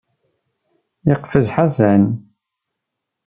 Yeqfez Ḥasan.